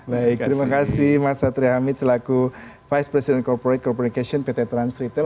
baik terima kasih mas satria hamid selaku vice president corporate corporation pt trans retail